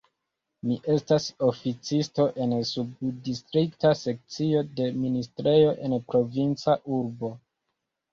Mi estas oficisto en subdistrikta sekcio de ministrejo en provinca urbo.